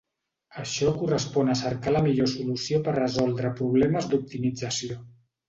Això correspon a cercar la millor solució per resoldre problemes d'optimització.